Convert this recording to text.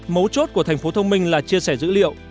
mấu chốt của thành phố thông minh là chia sẻ dữ liệu